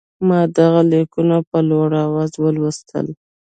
ما دغه لیکونه په لوړ آواز ولوستل.